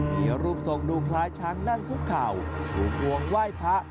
มีรูปทรงดูคล้ายช้างนั่งคุกเข่าถูกงวงไหว้พระ